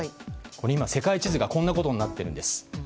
今、世界地図がこんなことになってるんです。